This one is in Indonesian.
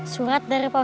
surat dari pak wim